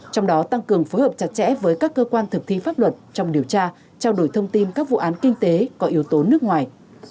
trong đó tăng cường phối hợp chặt chẽ với các cơ quan thực thi pháp luật trong điều tra trao đổi thông tin các vụ án kinh tế có yếu tố nước ngoài